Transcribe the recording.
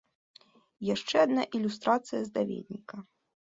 Яшчэ адна ілюстрацыя з даведніка.